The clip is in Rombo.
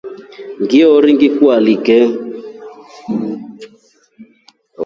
Ngiori ngikualike.